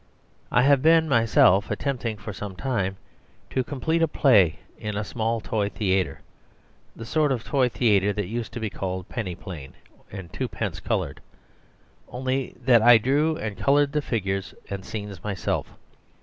I have been myself attempting for some time past to complete a play in a small toy theatre, the sort of toy theatre that used to be called Penny Plain and Twopence Coloured; only that I drew and coloured the figures and scenes myself.